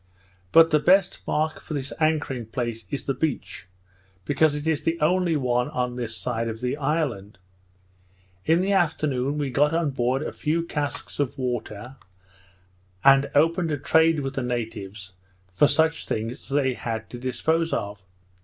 But the best mark for this anchoring place is the beach, because it is the only one on this side of the island. In the afternoon, we got on board a few casks of water, and opened a trade with the natives for such things as they had to dispose of.